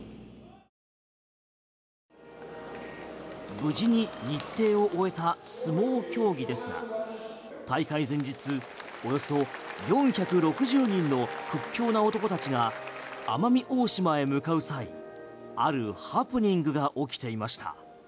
無事に日程を終えた相撲競技ですが大会前日およそ４６０人の屈強な男たちが奄美大島へ向かう際あるハプニングが起きていました。